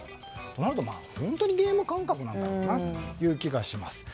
となると、本当にゲーム感覚なんだろなという気がします。